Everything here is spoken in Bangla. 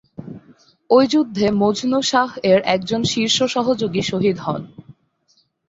ঐ যুদ্ধে মজনু শাহ এর একজন শীর্ষ সহযোগী শহীদ হন।